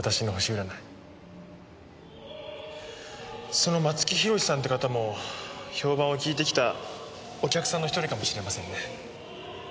その松木弘さんって方も評判を聞いて来たお客さんの１人かもしれませんね。